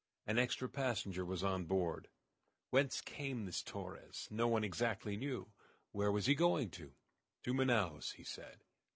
An extra passenger was on board. Whence came this Torres? No one exactly knew. Where was he going to? "To Manaos," he said.